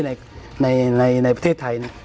ที่ในประเทศไทย